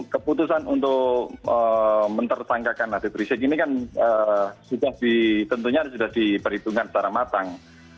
keputusan untuk menersangkakan hpb riseg ini kan tentunya sudah diperhitungkan secara matang